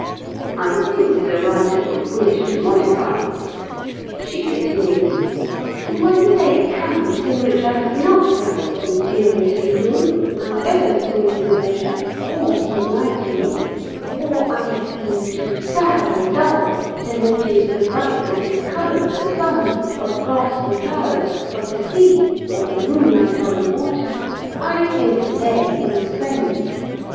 I think the writer would wish to modify it. She continues: "And when the day comes in which I have not done some serious reading, however small the measure, or some writing ... or I have been too sad or dull to notice the brightness of colour of the sun, of grass and flowers, of the sea, or the moonlight on the water, I think the day ill spent.